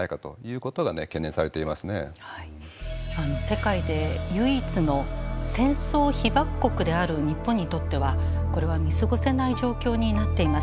世界で唯一の戦争被爆国である日本にとってはこれは見過ごせない状況になっています。